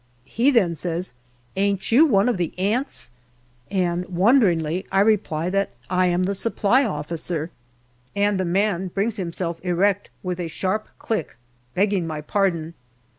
He then says, " Ain't you one of the 'Ants ?" and wonderingly I reply that I am the Supply Officer, and the man brings himself erect with a sharp click, begging my pardon.